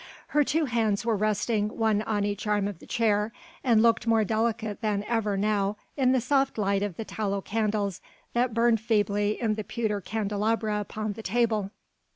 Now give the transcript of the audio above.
Her two hands were resting each on an arm of the chair, and looked more delicate than ever now in the soft light of the tallow candles that burned feebly in the pewter candelabra upon the table.